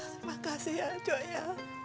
terima kasih ya cok ya